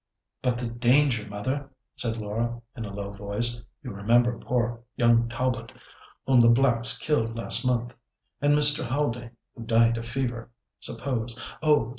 "But the danger, mother!" said Laura, in a low voice; "you remember poor young Talbot, whom the blacks killed last month, and Mr. Haldane, who died of fever. Suppose—oh!